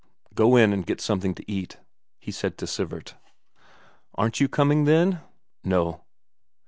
"Go in and get something to eat," he said to Sivert. "Aren't you coming, then?" "No."